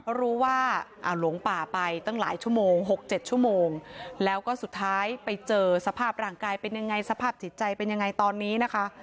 รู้ว่าหลงป่าไปตั้งหลายชั่วโมง๖๗ชั่วโมงแล้วก็สุดท้ายไปเจอสภาพร่างกายเป็นยังไงสภาพจิตใจเป็นยังไงตอนนี้นะคะ